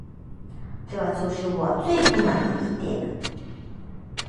这就是我最不满的一点